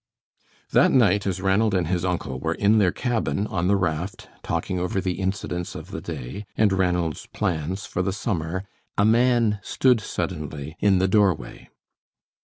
That night, as Ranald and his uncle were in their cabin on the raft talking over the incidents of the day, and Ranald's plans for the summer, a man stood suddenly in the doorway.